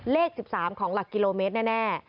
เลข๑๓ของหลักกิโลเมตรแน่